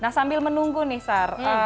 nah sambil menunggu nih sar